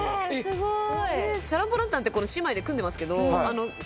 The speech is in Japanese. すごい。